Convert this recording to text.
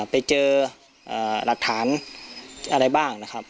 ไปเจอหลักฐานอะไรบ้างนะครับ